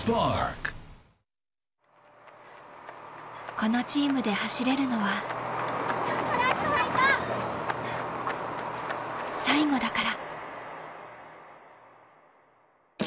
このチームで走れるのは最後だから。